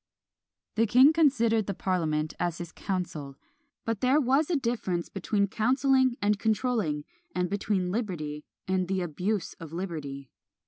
The king considered the parliament as his council; but there was a difference between councilling and controlling, and between liberty and the abuse of liberty."